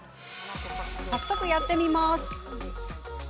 早速、やってみます。